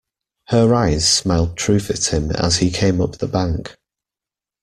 Her eyes smiled truth at him as he came up the bank.